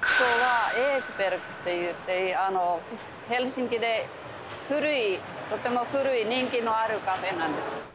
ここはエクベルグっていってヘルシンキでとても古い人気のあるカフェなんです